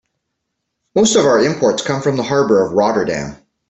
Most of our imports come from the harbor of Rotterdam.